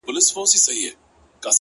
ستا د ښايستو سترگو له شرمه آئينه ماتېږي”